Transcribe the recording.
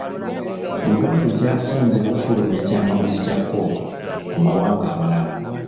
Uganda ekyasinze kufulumya kyamaguzi kya Kkooko mu mawanga amalala.